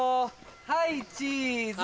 はいチズ・